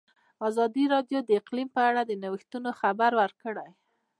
ازادي راډیو د اقلیم په اړه د نوښتونو خبر ورکړی.